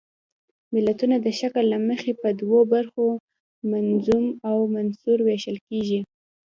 متلونه د شکل له مخې په دوو برخو منظوم او منثور ویشل کیږي